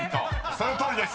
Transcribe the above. そのとおりです。